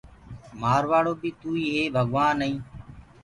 مآروآݪو بيٚ توئيٚ هي ڀگوآن ائين